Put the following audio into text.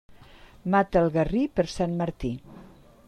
Mata el garrí per Sant Martí.